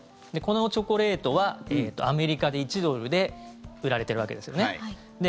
このチョコレートはアメリカで１ドルで売られてるわけですね。